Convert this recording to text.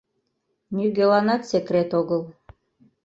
Нигӧланат секрет огыл.